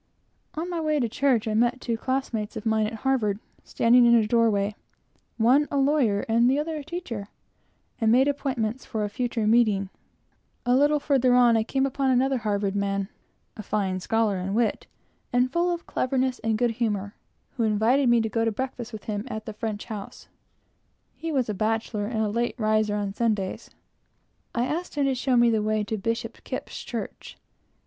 On my way to church, I met two classmates of mine at Harvard standing in a door way, one a lawyer and the other a teacher, and made appointments for a future meeting. A little farther on I came upon another Harvard man, a fine scholar and wit, and full of cleverness and good humor, who invited me to go to breakfast with him at the French house he was a bachelor, and a late riser on Sundays. I asked him to show me the way to Bishop Kip's church.